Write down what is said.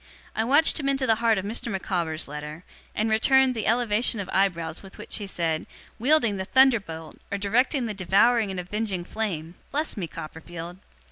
I watched him into the heart of Mr. Micawber's letter, and returned the elevation of eyebrows with which he said "'Wielding the thunderbolt, or directing the devouring and avenging flame!" Bless me, Copperfield!